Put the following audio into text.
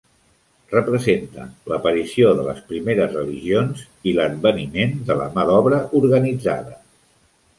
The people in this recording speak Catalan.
Representa l'aparició de les primeres religions i l'adveniment de la mà d'obra organitzada.